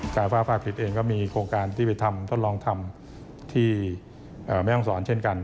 ไฟฟ้าฝ่ายผิดเองก็มีโครงการที่ไปทำทดลองทำที่แม่ห้องศรเช่นกัน